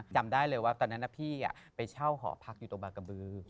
จำได้เลยว่าตอนนั้นพี่ไปเช่าหอพักอยู่ตรงบางกระบือ